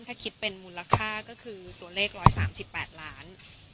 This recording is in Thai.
ถ้าคิดเป็นมูลค่าก็คือตัวเลข๑๓๘ล้าน